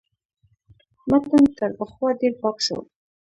متن تر پخوا ډېر پاک شو.